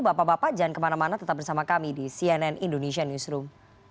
bapak bapak jangan kemana mana tetap bersama kami di cnn indonesia newsroom